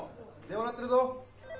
電話鳴ってるぞ。